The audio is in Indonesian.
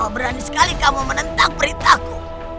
berani sekali kamu menentang beritaku